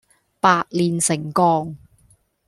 百煉成鋼